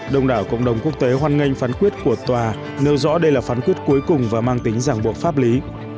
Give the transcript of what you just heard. đông đảo cộng đồng quốc tế hoan nghênh phán quyết của tòa nêu rõ đây là phán quyết cuối cùng và mang tính giảng buộc pháp lý